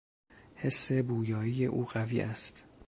حس بویایی او قوی است.